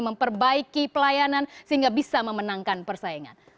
memperbaiki pelayanan sehingga bisa memenangkan persaingan